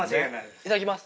いただきます。